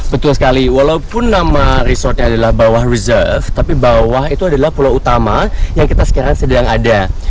betul sekali walaupun nama resortnya adalah bawah reserve tapi bawah itu adalah pulau utama yang kita sekarang sedang ada